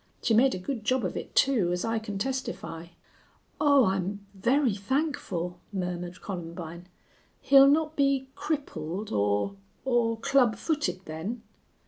She made a good job of it, too, as I can testify." "Oh, I'm very thankful!" murmured Columbine. "He'll not be crippled or or club footed, then?"